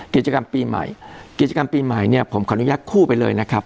กิจกรรมปีใหม่กิจกรรมปีใหม่เนี่ยผมขออนุญาตคู่ไปเลยนะครับ